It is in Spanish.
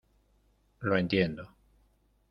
lo entiendo.